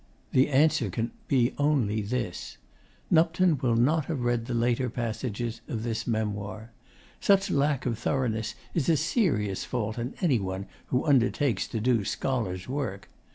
The answer can be only this: Nupton will not have read the later passages of this memoir. Such lack of thoroughness is a serious fault in any one who undertakes to do scholar's work.